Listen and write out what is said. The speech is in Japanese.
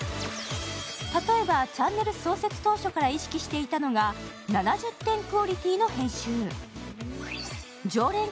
例えばチャンネル創設当初から意識していたのが、７０点クオリティーの編集。